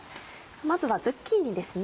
まずはズッキーニですね。